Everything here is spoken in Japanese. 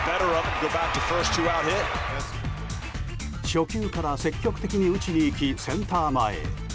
初球から積極的に打ちにいきセンター前へ。